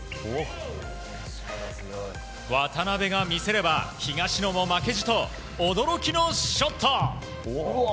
渡辺が見せれば、東野も負けじと驚きのショット！